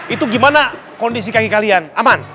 itu gimana kondisi kaki kalian aman